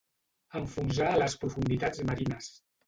Enfonsar a les profunditats marines.